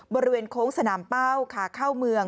บริเวณโค้งสนามเป้าขาเข้าเมือง